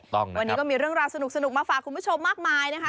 วันนี้ก็มีเรื่องราวสนุกมาฝากคุณผู้ชมมากมายนะคะ